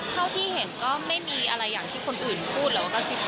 เท่าที่เห็นไม่มีอะไรอย่างที่อื่นคนพูดเหลือก็ฆี่เลย